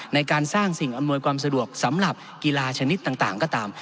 ในการสร้างสิ่งอำนวยความสะดวกสำหรับกีฬาชนิดต่างก็ตาม